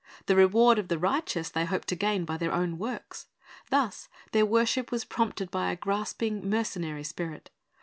The reward of the righteous they hoped to gain by their own works. Thus their worship was prompted by a grasping, mercenary spirit.